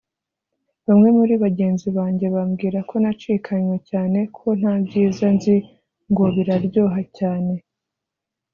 Bamwe muri bagenzi banjye bambwira ko nacikanywe cyane ko nta byiza nzi ngo biraryoha cyane